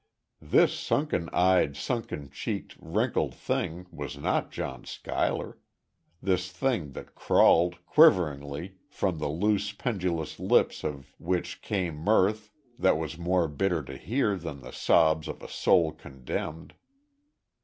This sunken eyed, sunken cheeked, wrinkled thing was not John Schuyler this thing that crawled, quiveringly from the loose, pendulous lips of which came mirth that was more bitter to hear than the sobs of a soul condemned.